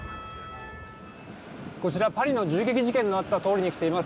こちら、パリの銃撃事件のあった通りに来ています。